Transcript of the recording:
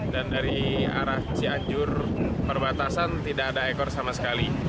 dan dari arah cianjur perbatasan tidak ada ekor sama sekali